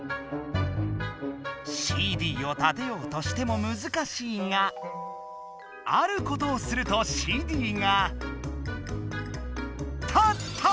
ＣＤを立てようとしてもむずかしいがあることをするとＣＤが立った！